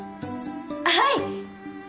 はい！